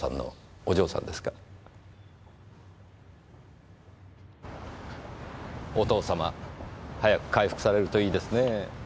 お父様早く回復されるといいですねぇ。